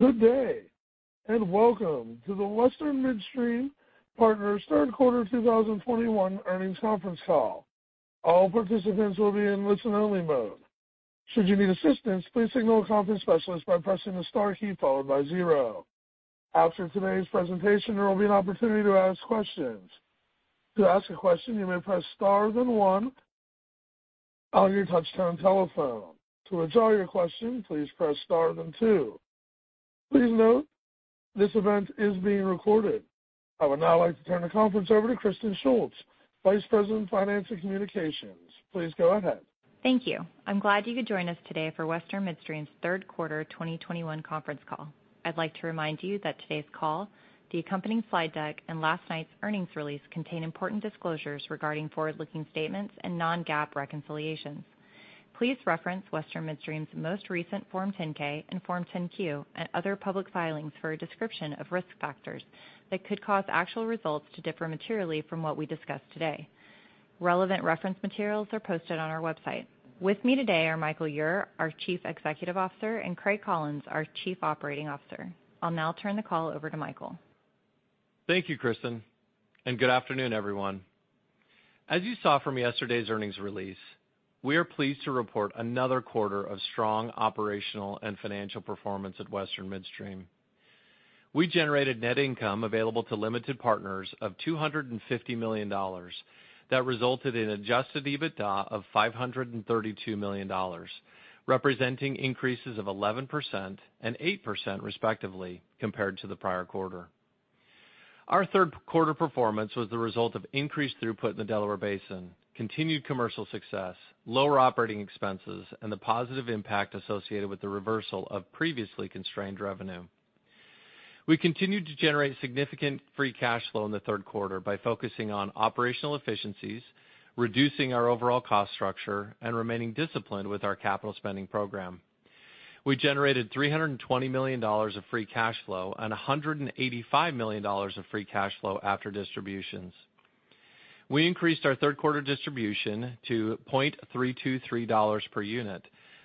Good day, and welcome to the Western Midstream Partners third quarter 2021 earnings conference call. All participants will be in listen-only mode. Should you need assistance, please signal a conference specialist by pressing the star key followed by zero. After today's presentation, there will be an opportunity to ask questions. To ask a question, you may press star then one on your touchtone telephone. To withdraw your question, please press star then two. Please note this event is being recorded. I would now like to turn the conference over to Kristen Shults, Vice President of Finance and Communications. Please go ahead. Thank you. I'm glad you could join us today for Western Midstream's third quarter 2021 conference call. I'd like to remind you that today's call, the accompanying slide deck and last night's earnings release contain important disclosures regarding forward-looking statements and non-GAAP reconciliations. Please reference Western Midstream's most recent Form 10-K and Form 10-Q and other public filings for a description of risk factors that could cause actual results to differ materially from what we discuss today. Relevant reference materials are posted on our website. With me today are Michael Ure, our Chief Executive Officer, and Craig Collins, our Chief Operating Officer. I'll now turn the call over to Michael. Thank you, Kristen, and good afternoon, everyone. As you saw from yesterday's earnings release, we are pleased to report another quarter of strong operational and financial performance at Western Midstream. We generated net income available to limited partners of $250 million that resulted in adjusted EBITDA of $532 million, representing increases of 11% and 8% respectively compared to the prior quarter. Our third quarter performance was the result of increased throughput in the Delaware Basin, continued commercial success, lower operating expenses, and the positive impact associated with the reversal of previously constrained revenue. We continued to generate significant free cash flow in the third quarter by focusing on operational efficiencies, reducing our overall cost structure, and remaining disciplined with our capital spending program. We generated $320 million of free cash flow and $185 million of free cash flow after distributions. We increased our third quarter distribution to $0.323 per unit,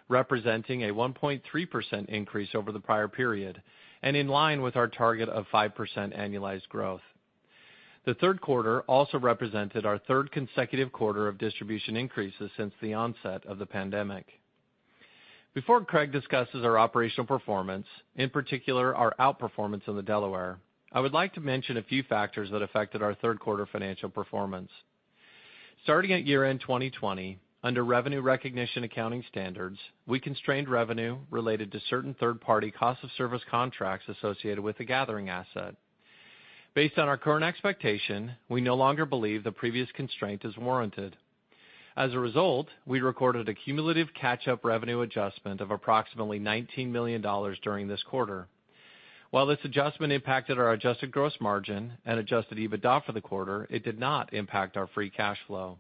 representing a 1.3% increase over the prior period and in line with our target of 5% annualized growth. The third quarter also represented our third consecutive quarter of distribution increases since the onset of the pandemic. Before Craig discusses our operational performance, in particular our outperformance in the Delaware, I would like to mention a few factors that affected our third quarter financial performance. Starting at year-end 2020, under revenue recognition accounting standards, we constrained revenue related to certain third-party cost of service contracts associated with the gathering asset. Based on our current expectation, we no longer believe the previous constraint is warranted. As a result, we recorded a cumulative catch-up revenue adjustment of approximately $19 million during this quarter. While this adjustment impacted our adjusted gross margin and adjusted EBITDA for the quarter, it did not impact our free cash flow.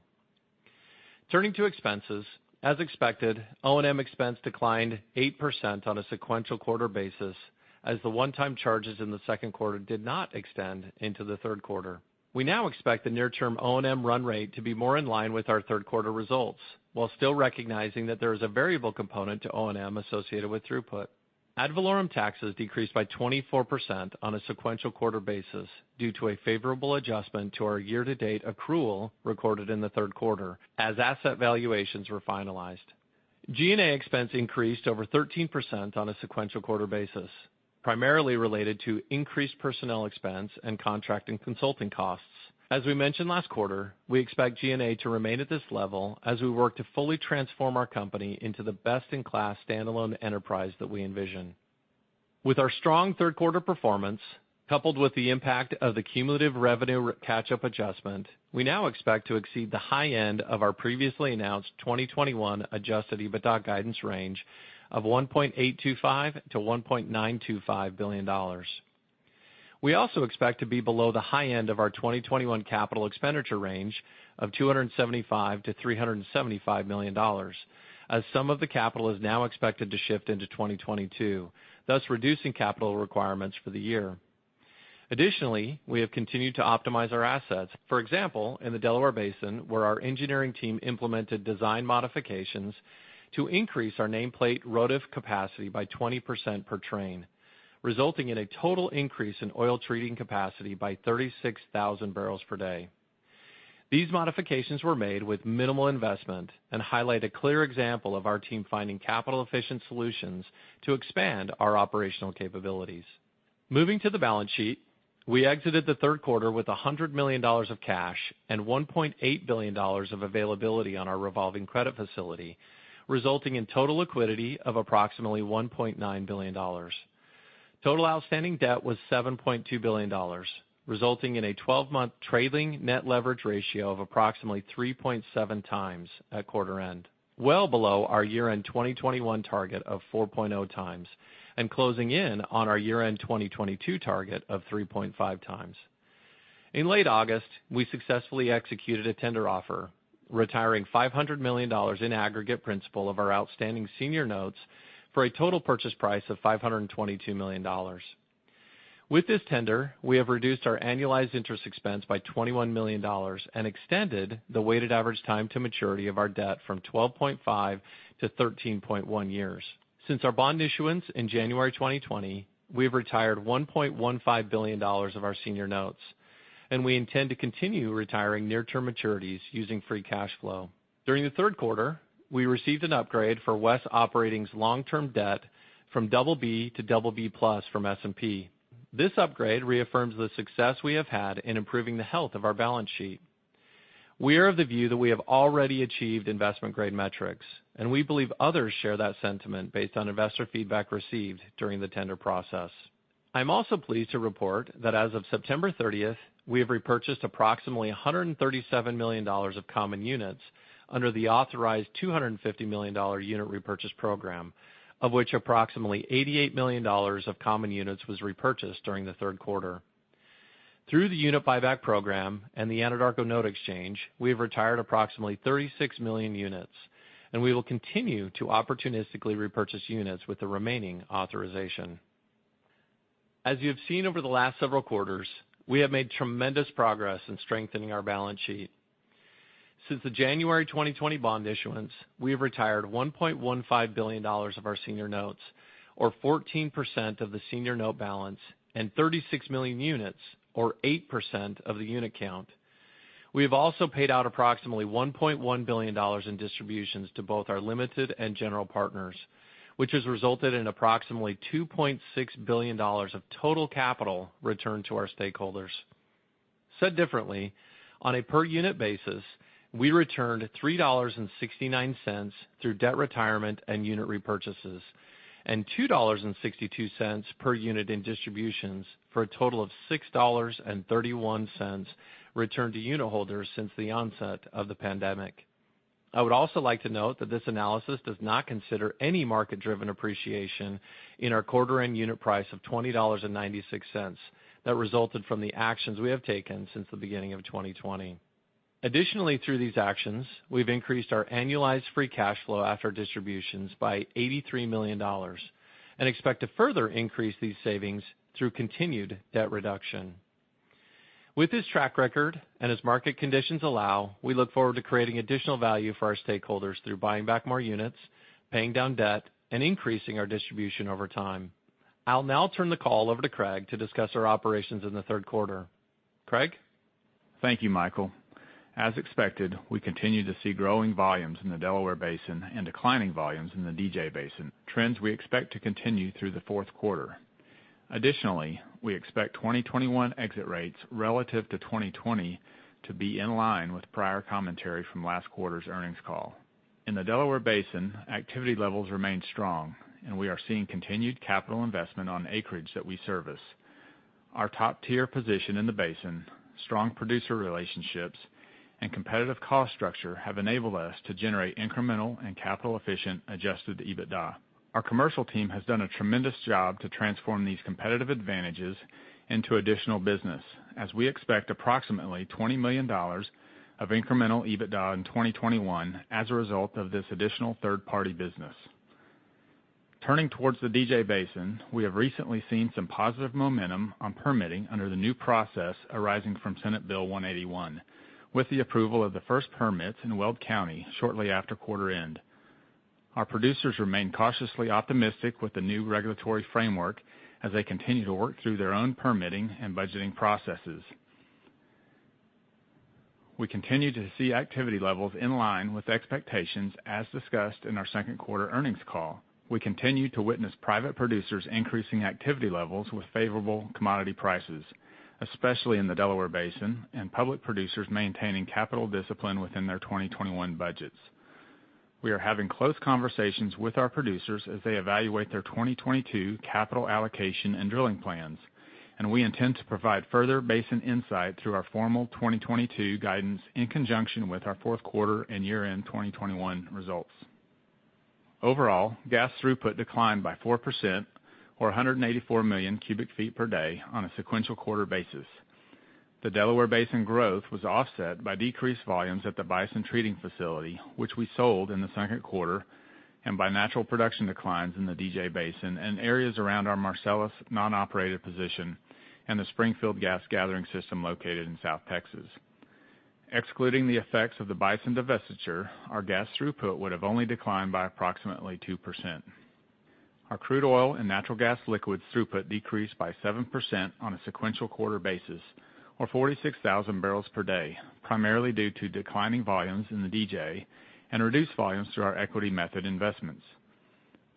Turning to expenses, as expected, O&M expense declined 8% on a sequential quarter basis as the one-time charges in the second quarter did not extend into the third quarter. We now expect the near term O&M run rate to be more in line with our third quarter results, while still recognizing that there is a variable component to O&M associated with throughput. Ad valorem taxes decreased by 24% on a sequential quarter basis due to a favorable adjustment to our year-to-date accrual recorded in the third quarter as asset valuations were finalized. G&A expense increased over 13% on a sequential quarter basis, primarily related to increased personnel expense and contract and consulting costs. As we mentioned last quarter, we expect G&A to remain at this level as we work to fully transform our company into the best-in-class standalone enterprise that we envision. With our strong third quarter performance, coupled with the impact of the cumulative revenue catch-up adjustment, we now expect to exceed the high end of our previously announced 2021 adjusted EBITDA guidance range of $1.825 billion-$1.925 billion. We also expect to be below the high end of our 2021 capital expenditure range of $275 million-$375 million as some of the capital is now expected to shift into 2022, thus reducing capital requirements for the year. Additionally, we have continued to optimize our assets. For example, in the Delaware Basin, where our engineering team implemented design modifications to increase our nameplate ROTF capacity by 20% per train, resulting in a total increase in oil treating capacity by 36,000 bbl per day. These modifications were made with minimal investment and highlight a clear example of our team finding capital-efficient solutions to expand our operational capabilities. Moving to the balance sheet, we exited the third quarter with $100 million of cash and $1.8 billion of availability on our revolving credit facility, resulting in total liquidity of approximately $1.9 billion. Total outstanding debt was $7.2 billion, resulting in a 12-month trailing net leverage ratio of approximately 3.7x at quarter-end, well below our year-end 2021 target of 4.0x and closing in on our year-end 2022 target of 3.5x. In late August, we successfully executed a tender offer, retiring $500 million in aggregate principal of our outstanding senior notes for a total purchase price of $522 million. With this tender, we have reduced our annualized interest expense by $21 million and extended the weighted average time to maturity of our debt from 12.5-13.1 years. Since our bond issuance in January 2020, we have retired $1.15 billion of our senior notes, and we intend to continue retiring near-term maturities using free cash flow. During the third quarter, we received an upgrade for WES Operating's long-term debt from BB to BB+ from S&P. This upgrade reaffirms the success we have had in improving the health of our balance sheet. We are of the view that we have already achieved investment-grade metrics, and we believe others share that sentiment based on investor feedback received during the tender process. I'm also pleased to report that as of September 30, we have repurchased approximately $137 million of common units under the authorized $250 million unit repurchase program, of which approximately $88 million of common units was repurchased during the third quarter. Through the unit buyback program and the Anadarko note exchange, we have retired approximately 36 million units, and we will continue to opportunistically repurchase units with the remaining authorization. As you have seen over the last several quarters, we have made tremendous progress in strengthening our balance sheet. Since the January 2020 bond issuance, we have retired $1.15 billion of our senior notes, or 14% of the senior note balance, and 36 million units, or 8% of the unit count. We have also paid out approximately $1.1 billion in distributions to both our limited and general partners, which has resulted in approximately $2.6 billion of total capital returned to our stakeholders. Said differently, on a per-unit basis, we returned $3.69 through debt retirement and unit repurchases, and $2.62 per unit in distributions, for a total of $6.31 returned to unitholders since the onset of the pandemic. I would also like to note that this analysis does not consider any market-driven appreciation in our quarter-end unit price of $20.96 that resulted from the actions we have taken since the beginning of 2020. Additionally, through these actions, we've increased our annualized free cash flow after distributions by $83 million and expect to further increase these savings through continued debt reduction. With this track record, and as market conditions allow, we look forward to creating additional value for our stakeholders through buying back more units, paying down debt, and increasing our distribution over time. I'll now turn the call over to Craig to discuss our operations in the third quarter. Craig? Thank you, Michael. As expected, we continue to see growing volumes in the Delaware Basin and declining volumes in the DJ Basin, trends we expect to continue through the fourth quarter. Additionally, we expect 2021 exit rates relative to 2020 to be in line with prior commentary from last quarter's earnings call. In the Delaware Basin, activity levels remain strong, and we are seeing continued capital investment on acreage that we service. Our top-tier position in the basin, strong producer relationships, and competitive cost structure have enabled us to generate incremental and capital-efficient adjusted EBITDA. Our commercial team has done a tremendous job to transform these competitive advantages into additional business, as we expect approximately $20 million of incremental EBITDA in 2021 as a result of this additional third-party business. Turning towards the DJ Basin, we have recently seen some positive momentum on permitting under the new process arising from Senate Bill 181, with the approval of the first permits in Weld County shortly after quarter end. Our producers remain cautiously optimistic with the new regulatory framework as they continue to work through their own permitting and budgeting processes. We continue to see activity levels in line with expectations, as discussed in our second quarter earnings call. We continue to witness private producers increasing activity levels with favorable commodity prices, especially in the Delaware Basin, and public producers maintaining capital discipline within their 2021 budgets. We are having close conversations with our producers as they evaluate their 2022 capital allocation and drilling plans, and we intend to provide further basin insight through our formal 2022 guidance in conjunction with our fourth quarter and year-end 2021 results. Overall, gas throughput declined by 4%, or 184 million cubic feet per day on a sequential quarter basis. The Delaware Basin growth was offset by decreased volumes at the Bison treating facility, which we sold in the second quarter, and by natural production declines in the DJ Basin and areas around our Marcellus non-operated position and the Springfield Gas Gathering System located in South Texas. Excluding the effects of the Bison divestiture, our gas throughput would have only declined by approximately 2%. Our crude oil and natural gas liquids throughput decreased by 7% on a sequential quarter basis or 46,000 bbl per day, primarily due to declining volumes in the DJ and reduced volumes through our equity method investments.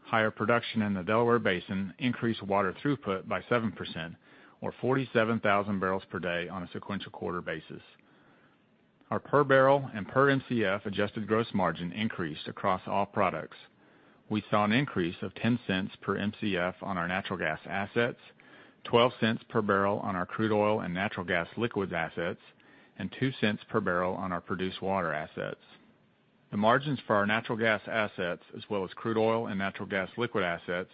Higher production in the Delaware Basin increased water throughput by 7% or 47,000 bbl per day on a sequential quarter basis. Our per-barrel and per-MCF adjusted gross margin increased across all products. We saw an increase of $0.10 per MCF on our natural gas assets, $0.12 per bbl on our crude oil and natural gas liquids assets, and $0.02 per bbl on our produced water assets. The margins for our natural gas assets as well as crude oil and natural gas liquids assets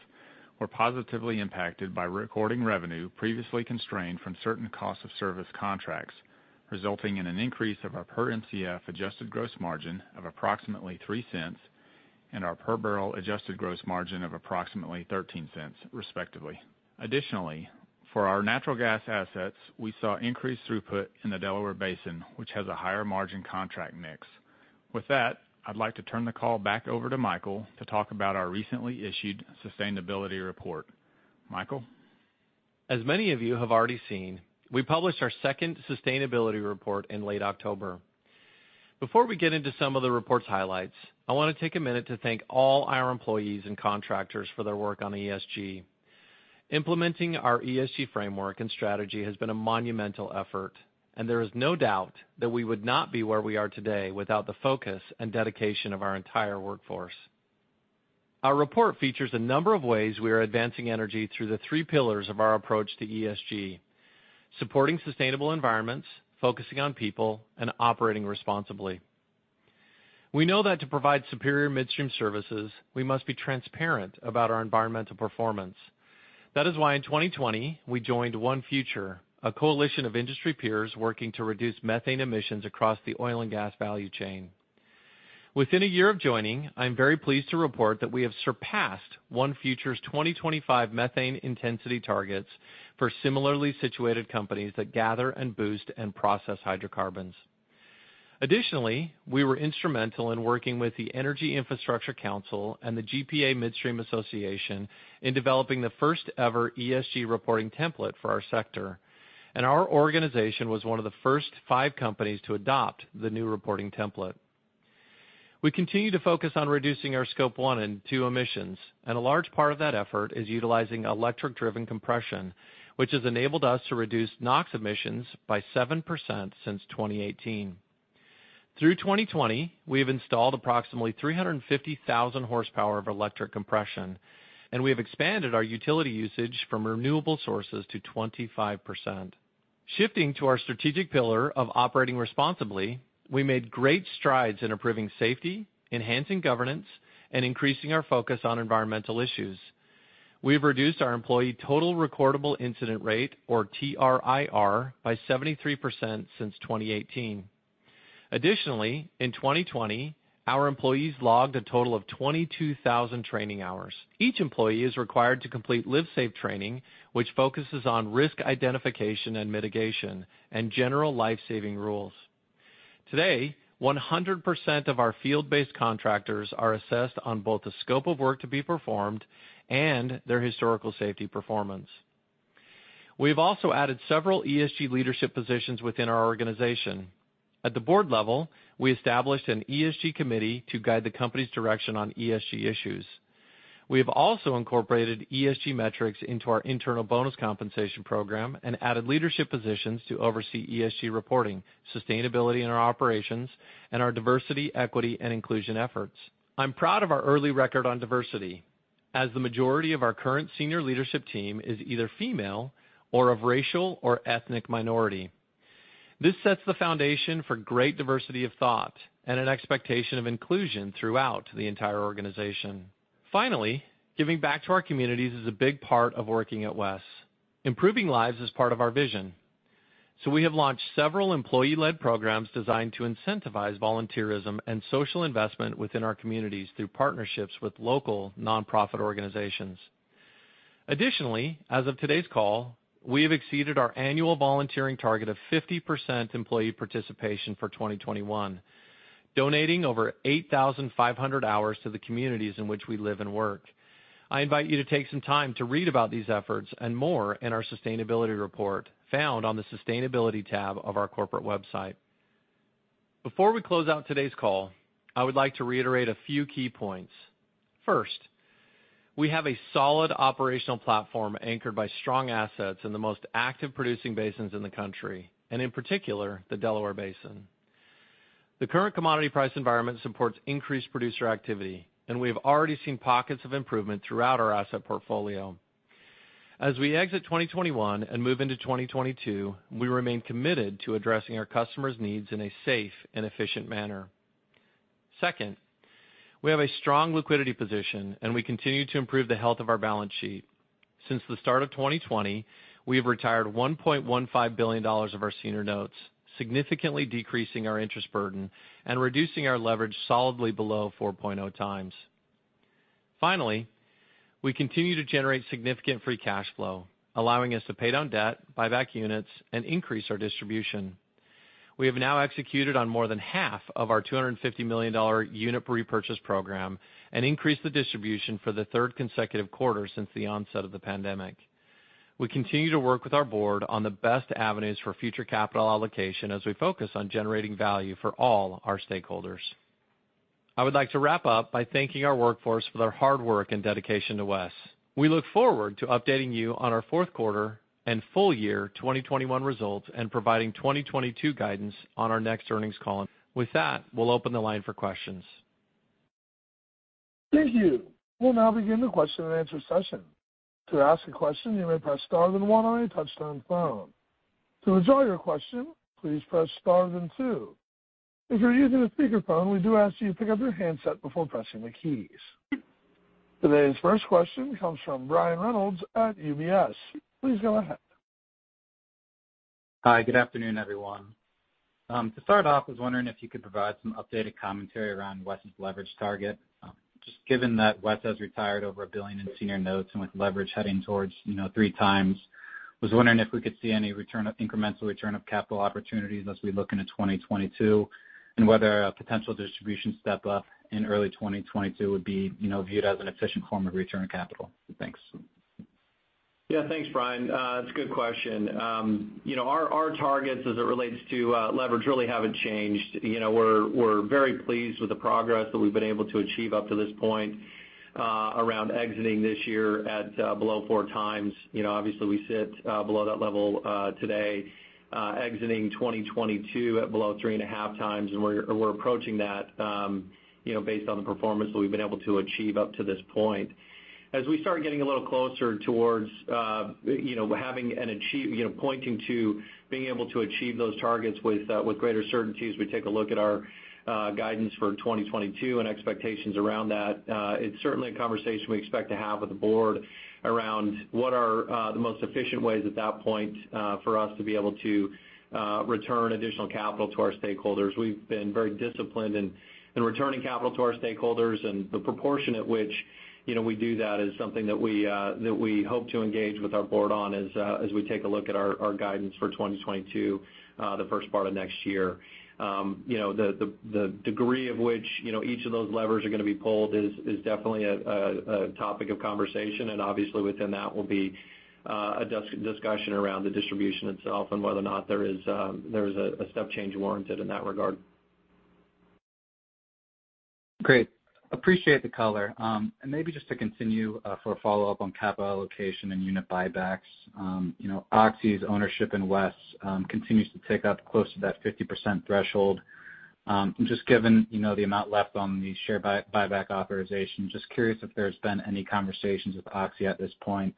were positively impacted by recording revenue previously constrained from certain cost of service contracts, resulting in an increase of our per MCF adjusted gross margin of approximately $0.03 and our per barrel adjusted gross margin of approximately $0.13 respectively. Additionally, for our natural gas assets, we saw increased throughput in the Delaware Basin, which has a higher margin contract mix. With that, I'd like to turn the call back over to Michael to talk about our recently issued sustainability report. Michael? As many of you have already seen, we published our second sustainability report in late October. Before we get into some of the report's highlights, I wanna take a minute to thank all our employees and contractors for their work on ESG. Implementing our ESG framework and strategy has been a monumental effort, and there is no doubt that we would not be where we are today without the focus and dedication of our entire workforce. Our report features a number of ways we are advancing energy through the three pillars of our approach to ESG, supporting sustainable environments, focusing on people, and operating responsibly. We know that to provide superior midstream services, we must be transparent about our environmental performance. That is why in 2020, we joined ONE Future, a coalition of industry peers working to reduce methane emissions across the oil and gas value chain. Within a year of joining, I'm very pleased to report that we have surpassed ONE Future's 2025 methane intensity targets for similarly situated companies that gather and boost and process hydrocarbons. Additionally, we were instrumental in working with the Energy Infrastructure Council and the GPA Midstream Association in developing the first ever ESG reporting template for our sector, and our organization was one of the first five companies to adopt the new reporting template. We continue to focus on reducing our Scope 1 and Scope 2 emissions, and a large part of that effort is utilizing electric-driven compression, which has enabled us to reduce NOx emissions by 7% since 2018. Through 2020, we have installed approximately 350,000 horsepower of electric compression, and we have expanded our utility usage from renewable sources to 25%. Shifting to our strategic pillar of operating responsibly, we made great strides in improving safety, enhancing governance, and increasing our focus on environmental issues. We've reduced our employee total recordable incident rate, or TRIR, by 73% since 2018. Additionally, in 2020, our employees logged a total of 22,000 training hours. Each employee is required to complete life-saving training, which focuses on risk identification and mitigation and general life-saving rules. Today, 100% of our field-based contractors are assessed on both the scope of work to be performed and their historical safety performance. We have also added several ESG leadership positions within our organization. At the board level, we established an ESG committee to guide the company's direction on ESG issues. We have also incorporated ESG metrics into our internal bonus compensation program and added leadership positions to oversee ESG reporting, sustainability in our operations, and our diversity, equity, and inclusion efforts. I'm proud of our early record on diversity, as the majority of our current senior leadership team is either female or of racial or ethnic minority. This sets the foundation for great diversity of thought and an expectation of inclusion throughout the entire organization. Finally, giving back to our communities is a big part of working at WES. Improving lives is part of our vision, so we have launched several employee-led programs designed to incentivize volunteerism and social investment within our communities through partnerships with local nonprofit organizations. Additionally, as of today's call, we have exceeded our annual volunteering target of 50% employee participation for 2021, donating over 8,500 hours to the communities in which we live and work. I invite you to take some time to read about these efforts and more in our sustainability report, found on the Sustainability tab of our corporate website. Before we close out today's call, I would like to reiterate a few key points. First, we have a solid operational platform anchored by strong assets in the most active producing basins in the country and in particular, the Delaware Basin. The current commodity price environment supports increased producer activity, and we have already seen pockets of improvement throughout our asset portfolio. As we exit 2021 and move into 2022, we remain committed to addressing our customers' needs in a safe and efficient manner. Second, we have a strong liquidity position, and we continue to improve the health of our balance sheet. Since the start of 2020, we have retired $1.15 billion of our senior notes, significantly decreasing our interest burden and reducing our leverage solidly below 4.0x. Finally, we continue to generate significant free cash flow, allowing us to pay down debt, buy back units, and increase our distribution. We have now executed on more than half of our $250 million unit repurchase program and increased the distribution for the third consecutive quarter since the onset of the pandemic. We continue to work with our board on the best avenues for future capital allocation as we focus on generating value for all our stakeholders. I would like to wrap up by thanking our workforce for their hard work and dedication to WES. We look forward to updating you on our fourth quarter and full year 2021 results and providing 2022 guidance on our next earnings call. With that, we'll open the line for questions. Thank you. We'll now begin the question and answer session. To ask a question, you may press star then one on your touchtone phone. To withdraw your question, please press star then two. If you're using a speakerphone, we do ask that you pick up your handset before pressing the keys. Today's first question comes from Brian Reynolds at UBS. Please go ahead. Hi, good afternoon, everyone. To start off, I was wondering if you could provide some updated commentary around WES's leverage target, just given that WES has retired over $1 billion in senior notes and with leverage heading towards, you know, 3x. Was wondering if we could see any incremental return of capital opportunities as we look into 2022, and whether a potential distribution step up in early 2022 would be, you know, viewed as an efficient form of return on capital. Thanks. Yeah, thanks, Brian. That's a good question. You know, our targets as it relates to leverage really haven't changed. You know, we're very pleased with the progress that we've been able to achieve up to this point around exiting this year at below 4x. You know, obviously, we sit below that level today, exiting 2022 at below 3.5x, and we're approaching that, you know, based on the performance that we've been able to achieve up to this point. As we start getting a little closer towards you know pointing to being able to achieve those targets with greater certainty as we take a look at our guidance for 2022 and expectations around that, it's certainly a conversation we expect to have with the board around what are the most efficient ways at that point for us to be able to return additional capital to our stakeholders. We've been very disciplined in returning capital to our stakeholders and the proportion at which you know we do that is something that we hope to engage with our board on as we take a look at our guidance for 2022 the first part of next year. You know, the degree of which, you know, each of those levers are gonna be pulled is definitely a topic of conversation. Obviously within that will be a discussion around the distribution itself and whether or not there is a step change warranted in that regard. Great. Appreciate the color. And maybe just to continue for a follow-up on capital allocation and unit buybacks. You know, OXY's ownership in WES continues to tick up close to that 50% threshold. And just given, you know, the amount left on the share buyback authorization, just curious if there's been any conversations with OXY at this point,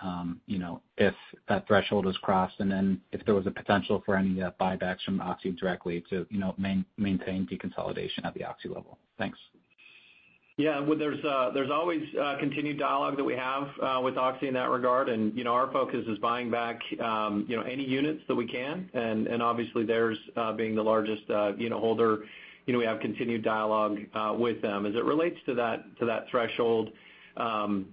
you know, if that threshold is crossed, and then if there was a potential for any buybacks from OXY directly to, you know, maintain deconsolidation at the OXY level. Thanks. Yeah. Well, there's always continued dialogue that we have with OXY in that regard, and, you know, our focus is buying back, you know, any units that we can. Obviously they're being the largest unitholder, you know, we have continued dialogue with them. As it relates to that threshold,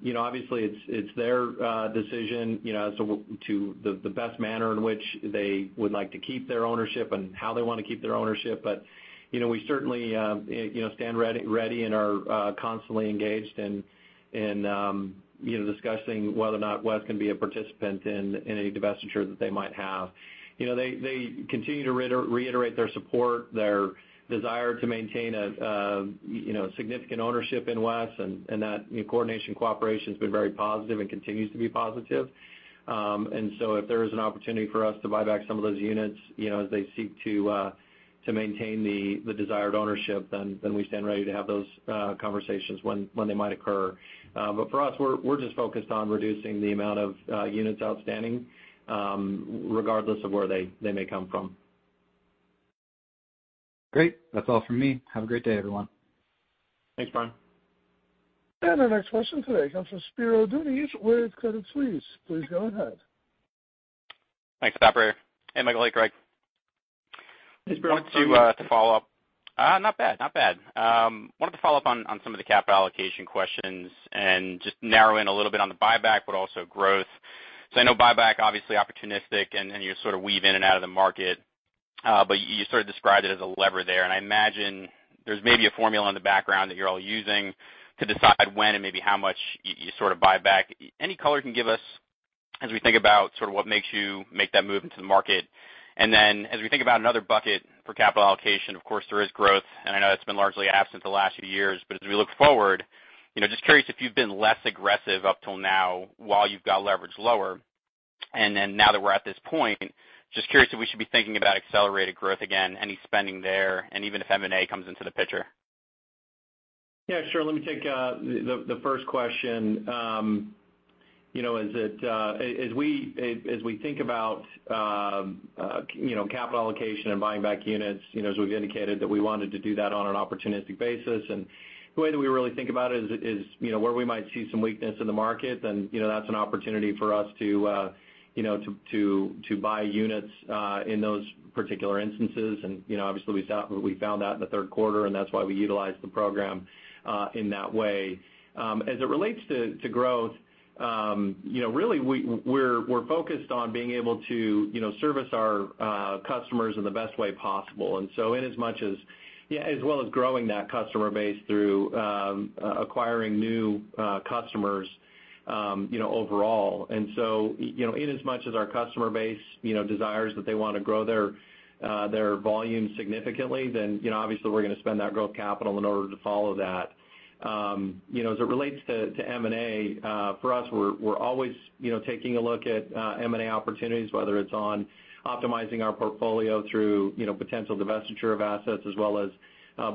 you know, obviously it's their decision, you know, as to the best manner in which they would like to keep their ownership and how they wanna keep their ownership. You know, we certainly, you know, stand ready and are constantly engaged in, you know, discussing whether or not WES can be a participant in any divestiture that they might have. You know, they continue to reiterate their support, their desire to maintain a you know, significant ownership in WES, and that, you know, coordination and cooperation's been very positive and continues to be positive. If there is an opportunity for us to buy back some of those units, you know, as they seek to maintain the desired ownership, then we stand ready to have those conversations when they might occur. For us, we're just focused on reducing the amount of units outstanding, regardless of where they may come from. Great. That's all from me. Have a great day, everyone. Thanks, Brian. Our next question today comes from Spiro Dounis with Credit Suisse. Please go ahead. Thanks, operator. Hey, Michael. Hey, Craig. Hey, Spiro. How are you? Wanted to follow up. Not bad, not bad. Wanted to follow up on some of the capital allocation questions and just narrow in a little bit on the buyback, but also growth. I know buyback, obviously opportunistic and you sort of weave in and out of the market, but you sort of described it as a lever there. I imagine there's maybe a formula in the background that you're all using to decide when and maybe how much you sort of buy back. Any color you can give us as we think about sort of what makes you make that move into the market? Then as we think about another bucket for capital allocation, of course there is growth, and I know that's been largely absent the last few years. As we look forward, you know, just curious if you've been less aggressive up till now while you've got leverage lower. Now that we're at this point, just curious if we should be thinking about accelerated growth again, any spending there, and even if M&A comes into the picture. Yeah, sure. Let me take the first question. You know, as we think about, you know, capital allocation and buying back units, you know, as we've indicated that we wanted to do that on an opportunistic basis. The way that we really think about it is, you know, where we might see some weakness in the market, then, you know, that's an opportunity for us to, you know, to buy units in those particular instances. You know, obviously we found that in the third quarter, and that's why we utilized the program in that way. As it relates to growth, you know, really we're focused on being able to, you know, service our customers in the best way possible, and so in as much as, yeah, as well as growing that customer base through acquiring new customers, you know, overall. You know, in as much as our customer base, you know, desires that they wanna grow their volume significantly, then, you know, obviously we're gonna spend that growth capital in order to follow that. You know, as it relates to M&A, for us, we're always, you know, taking a look at M&A opportunities, whether it's optimizing our portfolio through, you know, potential divestiture of assets as well as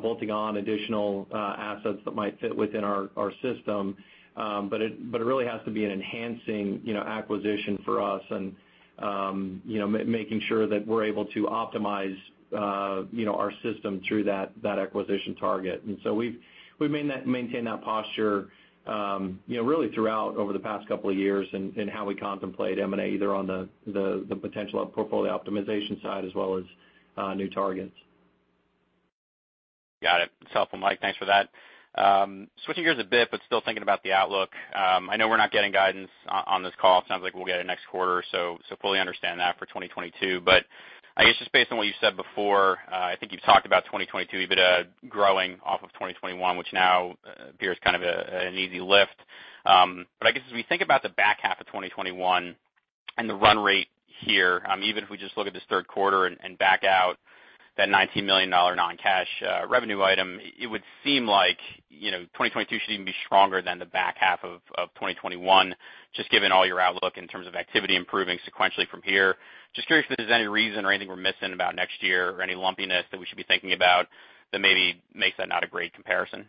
bolting on additional assets that might fit within our system. It really has to be an enhancing, you know, acquisition for us and, you know, making sure that we're able to optimize, you know, our system through that acquisition target. We've maintained that posture, you know, really throughout over the past couple of years in how we contemplate M&A, either on the potential of portfolio optimization side as well as new targets. Got it. It's helpful, Mike, thanks for that. Switching gears a bit, but still thinking about the outlook. I know we're not getting guidance on this call. It sounds like we'll get it next quarter, so fully understand that for 2022. I guess just based on what you said before, I think you've talked about 2022 a bit, growing off of 2021, which now appears kind of an easy lift. I guess as we think about the back half of 2021 and the run rate here, even if we just look at this third quarter and back out that $19 million non-cash revenue item, it would seem like, you know, 2022 should even be stronger than the back half of 2021, just given all your outlook in terms of activity improving sequentially from here. Just curious if there's any reason or anything we're missing about next year or any lumpiness that we should be thinking about that maybe makes that not a great comparison.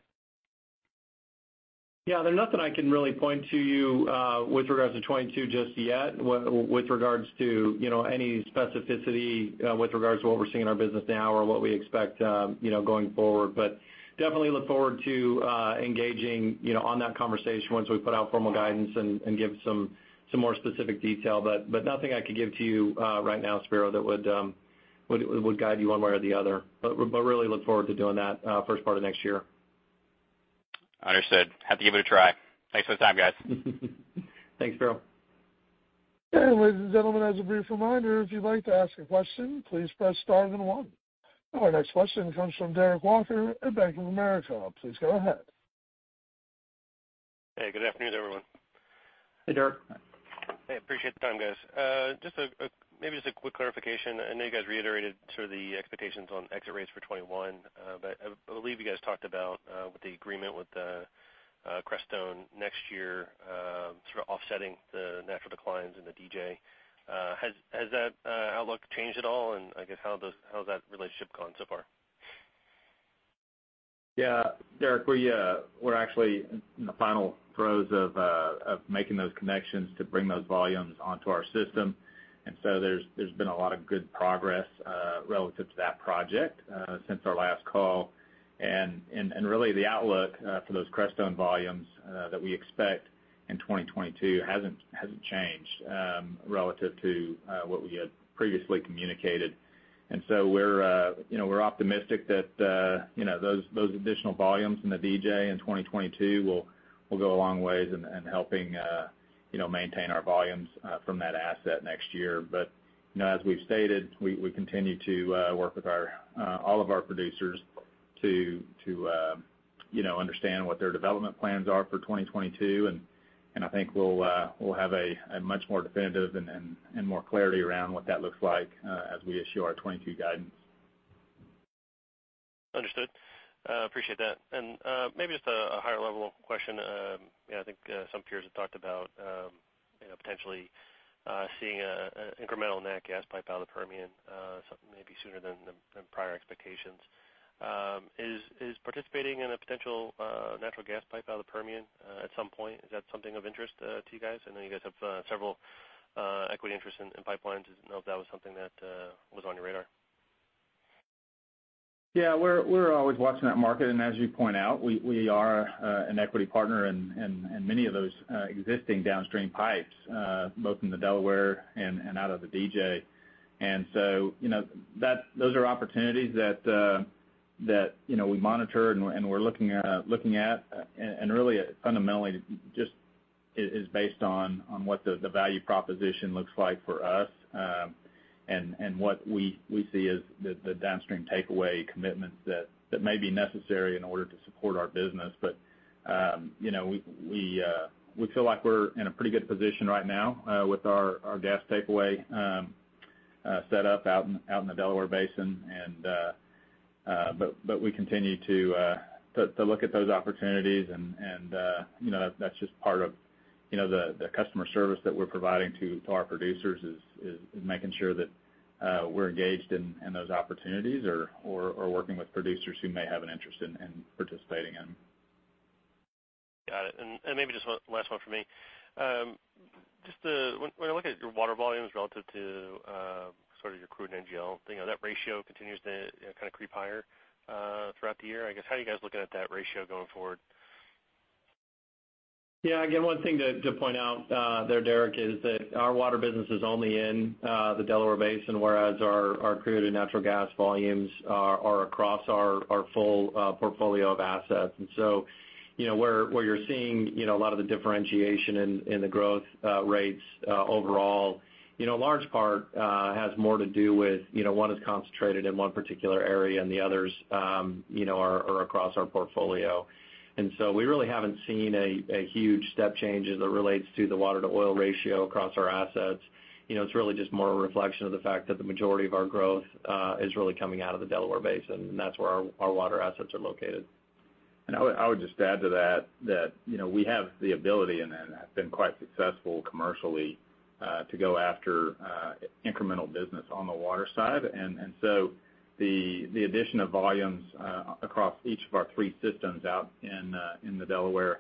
Yeah, there's nothing I can really point to you with regards to 2022 just yet with regards to, you know, any specificity with regards to what we're seeing in our business now or what we expect, you know, going forward. Definitely look forward to engaging, you know, on that conversation once we put out formal guidance and give some more specific detail. Nothing I could give to you right now, Spiro, that would guide you one way or the other. Really look forward to doing that first part of next year. Understood. Had to give it a try. Thanks for the time, guys. Thanks, Spiro. Ladies and gentlemen, as a brief reminder, if you'd like to ask a question, please press star then one. Our next question comes from Derek Walton at Bank of America. Please go ahead. Hey, good afternoon, everyone. Hey, Derek. Hey, appreciate the time, guys. Just a quick clarification. I know you guys reiterated sort of the expectations on exit rates for 2021. But I believe you guys talked about with the agreement with Crestone next year, sort of offsetting the natural declines in the DJ. Has that outlook changed at all? I guess how's that relationship gone so far? Yeah. Derek, we're actually in the final throes of making those connections to bring those volumes onto our system. There's been a lot of good progress relative to that project since our last call. Really the outlook for those Crestone volumes that we expect in 2022 hasn't changed relative to what we had previously communicated. We're optimistic that those additional volumes in the DJ in 2022 will go a long way in helping maintain our volumes from that asset next year. You know, as we've stated, we continue to work with all of our producers to understand what their development plans are for 2022. I think we'll have a much more definitive and more clarity around what that looks like as we issue our 2022 guidance. Understood. Appreciate that. Maybe just a higher level question. You know, I think some peers have talked about you know, potentially seeing an incremental nat gas pipe out of the Permian, so maybe sooner than prior expectations. Is participating in a potential natural gas pipe out of the Permian at some point something of interest to you guys? I know you guys have several equity interest in pipelines. Didn't know if that was something that was on your radar. Yeah. We're always watching that market. As you point out, we are an equity partner in many of those existing downstream pipes, both in the Delaware and out of the DJ. You know, those are opportunities that you know we monitor and we're looking at. Really fundamentally just is based on what the value proposition looks like for us, and what we see as the downstream takeaway commitments that may be necessary in order to support our business. You know we feel like we're in a pretty good position right now, with our gas takeaway set up out in the Delaware Basin. We continue to look at those opportunities. You know, that's just part of you know, the customer service that we're providing to our producers is making sure that we're engaged in those opportunities or working with producers who may have an interest in participating in. Got it. Maybe just one last one from me. When I look at your water volumes relative to sort of your crude NGL thing, that ratio continues to you know kind of creep higher throughout the year. I guess how are you guys looking at that ratio going forward? Yeah, again, one thing to point out there, Derek, is that our water business is only in the Delaware Basin, whereas our crude and natural gas volumes are across our full portfolio of assets. You know, where you're seeing a lot of the differentiation in the growth rates overall, you know, large part has more to do with one is concentrated in one particular area and the others, you know, are across our portfolio. We really haven't seen a huge step change as it relates to the water-to-oil ratio across our assets. You know, it's really just more a reflection of the fact that the majority of our growth is really coming out of the Delaware Basin, and that's where our water assets are located. I would just add to that you know, we have the ability and then have been quite successful commercially to go after incremental business on the water side. So the addition of volumes across each of our three systems out in in the Delaware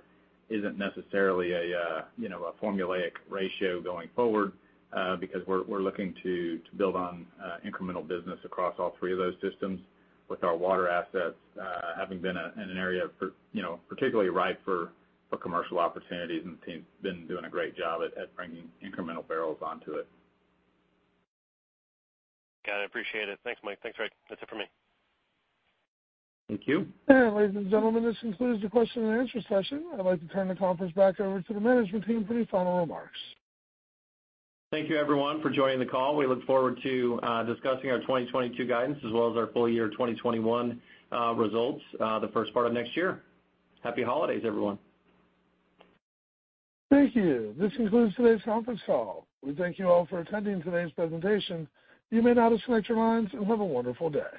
isn't necessarily a formulaic ratio going forward because we're looking to build on incremental business across all three of those systems with our water assets having been an area for you know, particularly ripe for commercial opportunities. The team's been doing a great job at bringing incremental barrels onto it. Got it. Appreciate it. Thanks, Mike. Thanks, Rick. That's it for me. Thank you. Ladies and gentlemen, this concludes the question and answer session. I'd like to turn the conference back over to the management team for any final remarks. Thank you everyone for joining the call. We look forward to discussing our 2022 guidance as well as our full year 2021 results, the first part of next year. Happy holidays, everyone. Thank you. This concludes today's conference call. We thank you all for attending today's presentation. You may now disconnect your lines, and have a wonderful day.